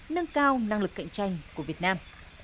nâng cao năng lực cạnh tranh của việt nam